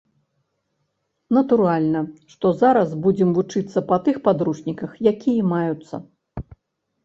Натуральна, што зараз будзем вучыцца па тых падручніках, якія маюцца.